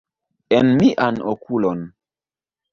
En mian okulon!